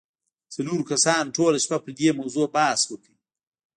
څلورو کسانو ټوله شپه پر دې موضوع بحث وکړ